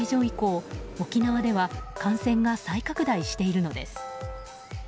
以降沖縄では感染が再拡大しているのです。